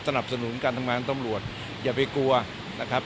สนับสนุนการทำงานตำรวจอย่าไปกลัวนะครับ